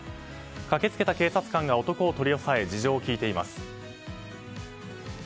駆けつけた警察官が男を取り押さえ事情を聴いています。